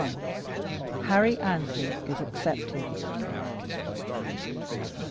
HARRY ANNESLEY IS ACCEPTED.